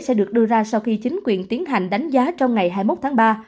sẽ được đưa ra sau khi chính quyền tiến hành đánh giá trong ngày hai mươi một tháng ba